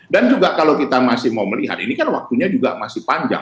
dan juga kalau kita masih mau melihat ini kan waktunya juga masih panjang